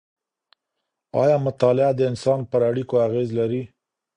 ایا مطالعه د انسان پر اړیکو اغېز لري؟